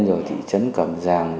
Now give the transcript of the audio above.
rồi thị trấn cẩm giàng